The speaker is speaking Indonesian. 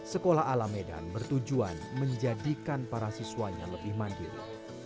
sekolah alamedan bertujuan menjadikan para siswa yang lebih mandiri